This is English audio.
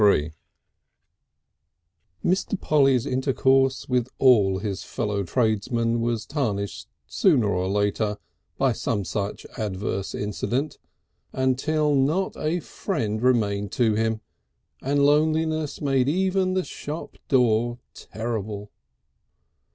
VI Mr. Polly's intercourse with all his fellow tradesmen was tarnished sooner or later by some such adverse incident, until not a friend remained to him, and loneliness made even the shop door terrible.